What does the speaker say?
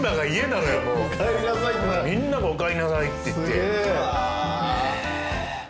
みんながおかえりなさいって言って。